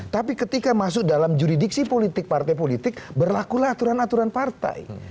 tapi ketika masuk dalam juridiksi politik partai politik berlakulah aturan aturan partai